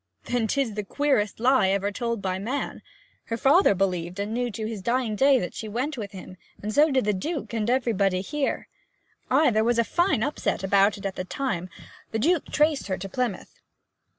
'Then 'tis the queerest lie ever told by man. Her father believed and knew to his dying day that she went with him; and so did the Duke, and everybody about here. Ay, there was a fine upset about it at the time. The Duke traced her to Plymouth.'